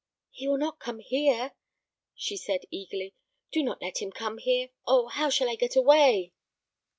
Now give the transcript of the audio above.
"He will not come here?" she said, eagerly. "Do not let him come here. Oh! how shall I get away?"